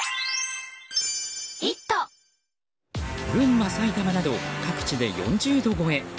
群馬、埼玉など各地で４０度超え。